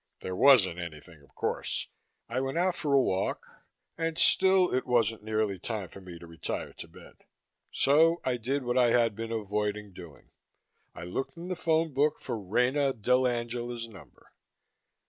There wasn't anything, of course. I went out for a walk ... and still it wasn't nearly time for me to retire to bed. So I did what I had been avoiding doing. I looked in the phone book for Rena dell'Angela's number.